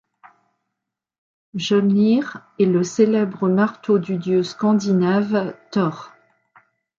Mjöllnir est le célèbre marteau du dieu scandinave Thor.